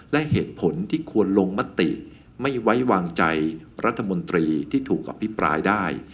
และเหตุผลที่ควรลงมติไม่ไว้วางใจรัฐมนตรีที่ถูกอภิปรายได้